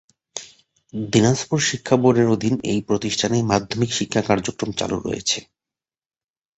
দিনাজপুর শিক্ষাবোর্ডের অধীন এই প্রতিষ্ঠানে মাধ্যমিক শিক্ষা কার্যক্রম চালু রয়েছে।